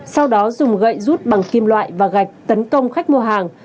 sau đó dùng gậy rút bằng kim loại và gạch tấn công khách mua hàng